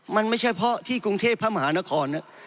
มันไม่ใช่เพราะที่กรุงเทพมหานคร